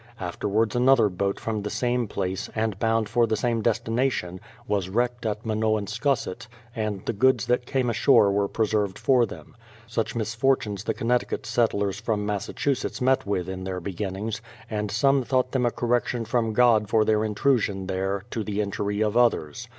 Afterwards another boat S80 BRADFORD'S HISTORY" OP from the same place, and bound for the same destination, was wrecked at Manoanscusett, and the goods that came ashore were preserved for them. Such misfortunes the Connecticut settlers from Massachusetts met with in their beginnings, and some thought them a correction from God for their intrusion there, to the injury of others.